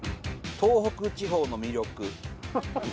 東北地方の魅力？